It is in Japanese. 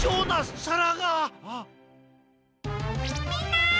みんな！